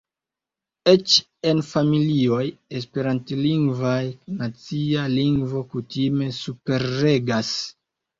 Eĉ en familioj Esperantlingvaj, nacia lingvo kutime superregas.